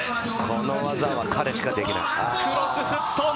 この技は彼しかできない。